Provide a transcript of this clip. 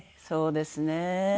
そうですね。